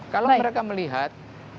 kalau mereka melihat